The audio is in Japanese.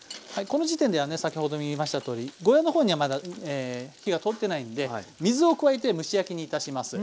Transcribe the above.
この時点ではね先ほども言いましたとおりゴーヤーの方にはまだ火が通ってないんで水を加えて蒸し焼きにいたします。